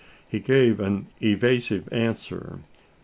He gave an evasive answer.